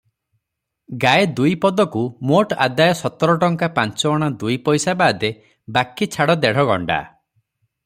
ଗାଏ ଦୁଇ ପଦକୁ ମୋଟ ଆଦାୟ ସତରଟଙ୍କା ପାଞ୍ଚ ଅଣା ଦୁଇପଇସା ବାଦେ ବାକି ଛାଡ଼ ଦେଢ଼ ଗଣ୍ଡା